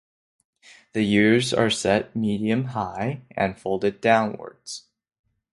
The ears are set medium high and fold downwards.